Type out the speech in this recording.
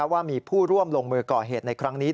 ว่ามีผู้ร่วมลงมือก่อเหตุในครั้งนี้